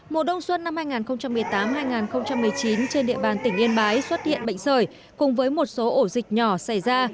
mùa đông xuân năm hai nghìn một mươi tám hai nghìn một mươi chín trên địa bàn tỉnh yên bái xuất hiện bệnh sởi cùng với một số ổ dịch nhỏ xảy ra